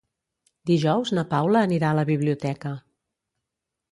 Dijous na Paula anirà a la biblioteca.